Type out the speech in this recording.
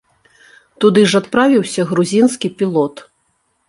Туды ж адправіўся грузінскі пілот.